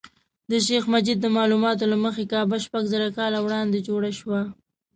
د شیخ مجید د معلوماتو له مخې کعبه شپږ زره کاله وړاندې جوړه شوه.